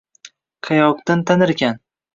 — Qayokdan tanirkan?